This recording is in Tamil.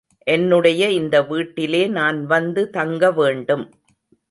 என்னுடைய இந்த வீட்டிலே நான் வந்து தங்கவேண்டும்.